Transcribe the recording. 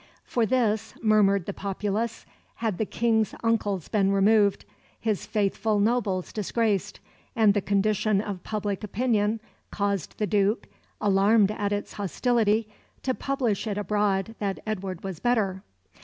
For this, murmured the populace, had the King's uncles been removed, his faithful nobles disgraced; and the condition of public opinion caused the Duke, alarmed at its hostility, to publish it abroad that Edward was better.